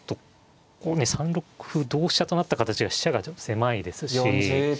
ここをね３六歩同飛車となった形が飛車が狭いですし。